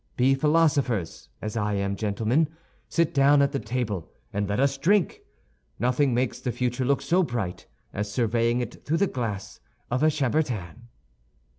Be philosophers, as I am, gentlemen; sit down at the table and let us drink. Nothing makes the future look so bright as surveying it through a glass of chambertin."